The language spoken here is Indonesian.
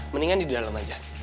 mendingan di dalam aja